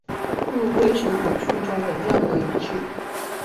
不归属五趣中的任何一趣。